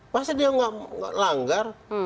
masa dia gak langgar